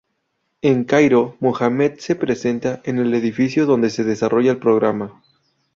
En Cairo, Mohammed se presenta en el edificio donde se desarrolla el programa.